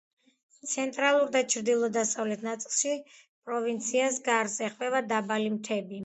ცენტრალურ და ჩრდილო-დასავლეთ ნაწილში, პროვინციას გარს ეხვევა დაბალი მთები.